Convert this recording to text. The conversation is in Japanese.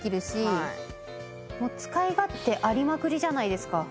使い勝手ありまくりじゃないですか。